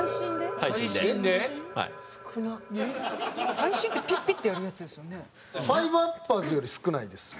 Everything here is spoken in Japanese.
配信ってピッピッてやるやつですよね？